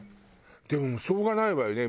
でももうしょうがないわよね。